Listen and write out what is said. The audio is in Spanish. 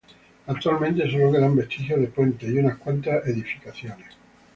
Actualmente solo quedan vestigios de puentes y unas cuantas edificaciones.